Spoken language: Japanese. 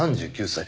３９歳。